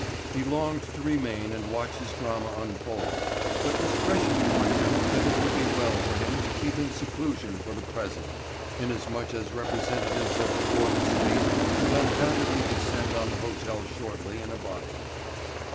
He longed to remain and watch his drama unfold, but discretion warned him that it would be well for him to keep in seclusion for the present, inasmuch as representatives of the fourth estate would undoubtedly descend on the hotel shortly in a body.